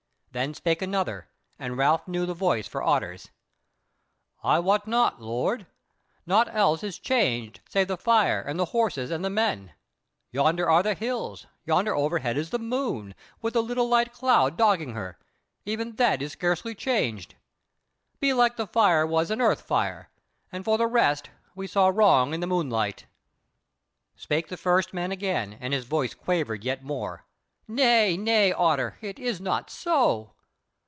Then spake another; and Ralph knew the voice for Otter's: "I wot not, lord; naught else is changed save the fire and the horses and the men: yonder are the hills, yonder overhead is the moon, with the little light cloud dogging her; even that is scarce changed. Belike the fire was an earth fire, and for the rest we saw wrong in the moonlight." Spake the first man again, and his voice quavered yet more: "Nay nay, Otter, it is not so.